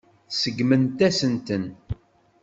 Tseggmemt-asen-ten.